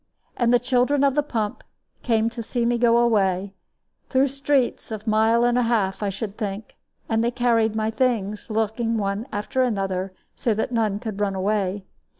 And the children of the pump came to see me go away, through streets of a mile and a half, I should think; and they carried my things, looking after one another, so that none could run away.